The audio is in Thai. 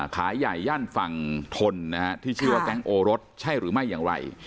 ขายใหญ่ย่านฝั่งทนนะฮะที่ชื่อว่าแก๊งโอรสใช่หรือไม่อย่างไร